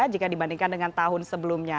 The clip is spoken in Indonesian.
jika dibandingkan dengan tahun sebelumnya